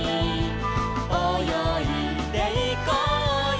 「およいでいこうよ」